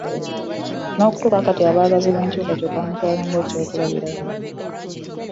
N'okutuusa kati abaagazi b'enkyukakyuka bamutwala ng'ekyokulabirako